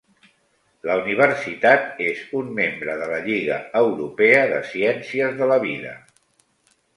La universitat és un membre de la Lliga Europea de Ciències de la Vida.